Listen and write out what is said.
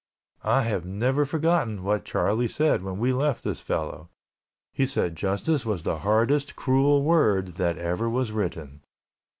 I have never forgotten what Charlie said when we left this fellow. He said justice was the hardest, cruel word that ever was written.